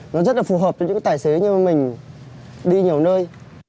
nó rất là phù hợp cho những cái tài xế như mình đi nhiều nơi